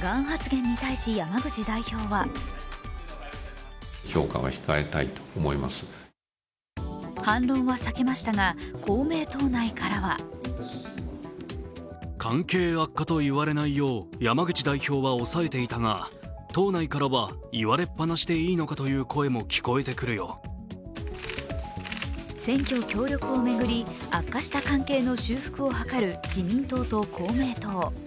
がん発言に対し山口代表は反論は避けましたが、公明党内からは選挙協力を巡り悪化した関係の修復を図る自民党と公明党。